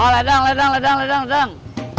ledang ledang ledang ledang